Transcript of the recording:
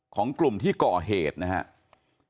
ของกลุ่มที่ก่อเหตุนะครับ